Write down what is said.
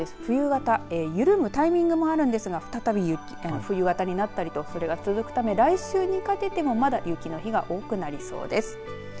冬型緩むタイミングもあるんですが再び冬型になったりとそれが続くため来週にかけてもまだ雪の日が多くなりそうです。